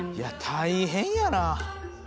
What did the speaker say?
大変やな。